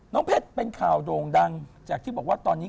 น้องเพชรเป็นข่าวโดงดังจากที่บอกว่า